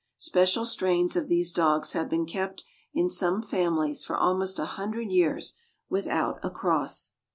Special strains of these dogs have been kept in some families for almost a hundred years without a cross.